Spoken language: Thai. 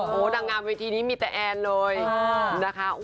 โอ้โหนางงามเวทีนี้มีแต่แอนเลยนะคะ